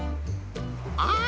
ああ！